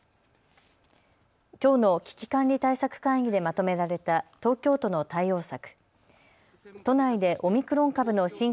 きょうの危機管理対策会議でまとめられた東京都の対応策。